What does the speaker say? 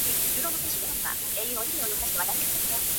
We can go up and meet her.